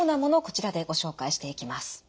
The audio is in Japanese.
こちらでご紹介していきます。